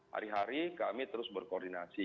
hari hari kami terus berkoordinasi